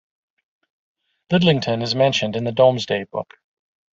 Lidlington is mentioned in the Domesday Book.